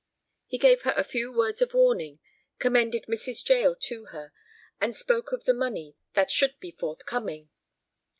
He gave her a few words of warning, commended Mrs. Jael to her, and spoke of the money that should be forthcoming.